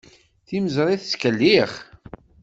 Timeẓri tettkellix.